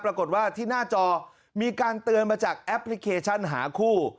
ปรากฏว่าที่หน้าจอมีการเตือนมาจากแอปพลิเคชันหาคู่